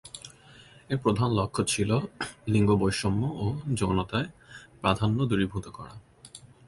এর প্রধান লক্ষ্য ছিল লিঙ্গ বৈষম্য ও যৌনতায় প্রাধান্য দূরীভূত করা।